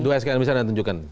dua sk yang bisa anda tunjukkan